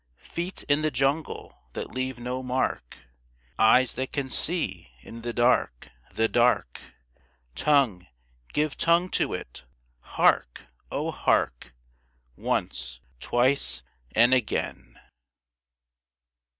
Feet in the jungle that leave no mark! Eyes that can see in the dark the dark! Tongue give tongue to it! Hark! O hark! Once, twice and again!